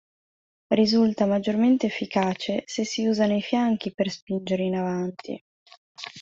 Risulta maggiormente efficace se si usano i fianchi per spingere in avanti.